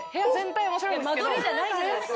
間取りじゃないじゃないですか。